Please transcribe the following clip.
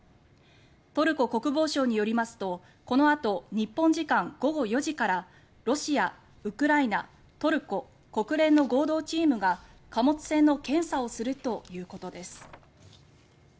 トルコ国防省によりますとこのあと日本時間午後４時からロシア、ウクライナ、トルコ国連の合同チームが貨物船の検査をするということです。